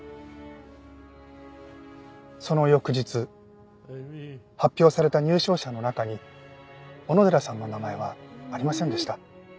その翌日発表された入賞者の中に小野寺さんの名前はありませんでした。